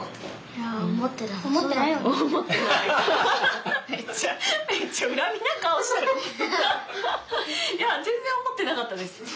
いや全然思ってなかったです。